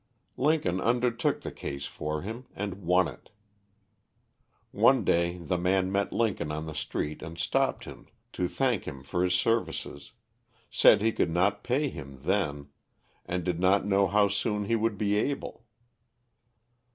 Lincoln undertook the case for him, and won it. One day the man met Lincoln on the street and stopped him to thank him for his services said he could not pay him then, and did not know how soon he would be able.